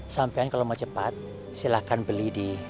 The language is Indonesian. sampaikan kalau mau cepat silahkan beli di